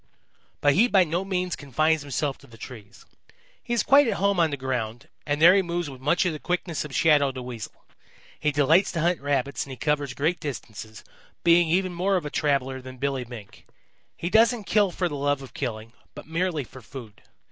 "But he by no means confines himself to the trees. He is quite at home on the ground, and there he moves with much of the quickness of Shadow the Weasel. He delights to hunt Rabbits and he covers great distances, being even more of a traveller than Billy Mink. He doesn't kill for the love of killing, but merely for food.